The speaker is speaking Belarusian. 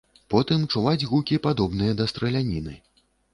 Потым чуваць гукі падобныя да страляніны.